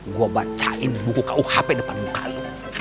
gue bacain buku kuhp depan muka lu